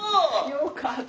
よかった。